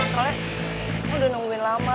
soalnya udah nungguin lama